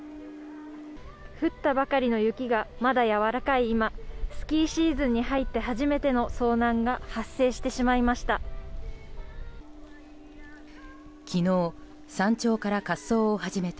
降ったばかりの雪がまだやわらかい今スキーシーズンに入って初めての遭難が発生してしまいました。